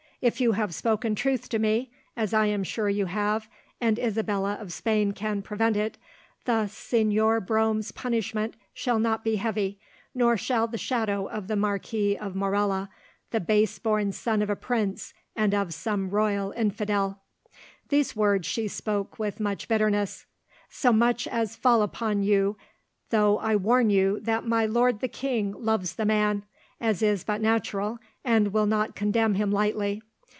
If you have spoken truth to me, as I am sure you have, and Isabella of Spain can prevent it, the Señor Brome's punishment shall not be heavy, nor shall the shadow of the Marquis of Morella, the base born son of a prince and of some royal infidel"—these words she spoke with much bitterness—"so much as fall upon you, though I warn you that my lord the king loves the man, as is but natural, and will not condemn him lightly.